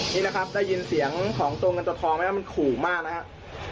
นี่นะครับได้ยินเสียงของตัวเงินตัวทองไหมครับมันขู่มากนะครับ